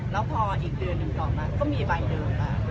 แล้วพออีกเดือนหนึ่งต่อมาก็มีใบเดิม